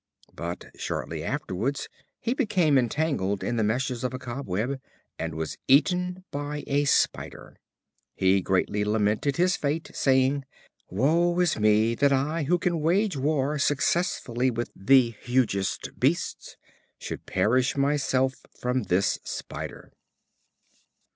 But shortly afterwards he became entangled in the meshes of a cobweb, and was eaten by a spider. He greatly lamented his fate, saying: "Woe is me, that I, who can wage war successfully with the hugest beasts, should perish myself from this spider."